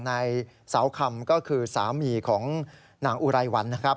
นายเสาคำก็คือสามีของนางอุไรวัน